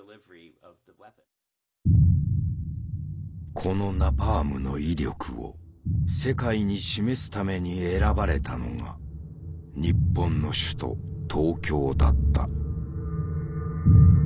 このナパームの威力を世界に示すために選ばれたのが日本の首都東京だった。